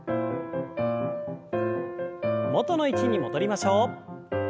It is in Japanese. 元の位置に戻りましょう。